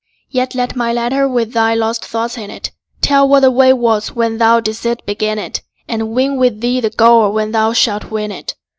Yet let my letter with thy lost thoughts in it Tell what the way was when thou didst begin it, And win with thee the goal when thou shalt win it.